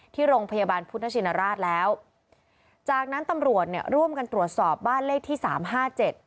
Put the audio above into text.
ที่โรงพยาบาลพุทธชินราชแล้วจากนั้นตำรวจเนี่ยร่วมกันตรวจสอบบ้านเลขที่สามห้าเจ็ด